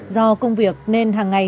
do công việc nên hàng ngày